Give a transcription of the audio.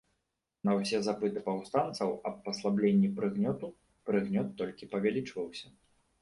На ўсе запыты паўстанцаў аб паслабленні прыгнёту, прыгнёт толькі павялічваўся.